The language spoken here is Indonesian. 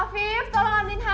afif tolong handuk dong afif